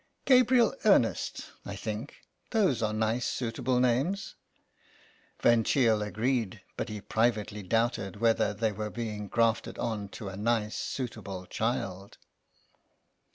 " Gabriel Ernest, I think ; those are nice suitable names." Van Cheele agreed, but he privately doubted whether they were being grafted on to a nice suitable child.